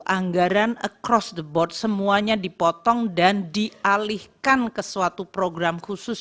anggaran across the board semuanya dipotong dan dialihkan ke suatu program khusus